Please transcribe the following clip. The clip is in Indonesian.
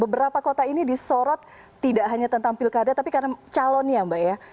beberapa kota ini disorot tidak hanya tentang pilkada tapi karena calonnya mbak ya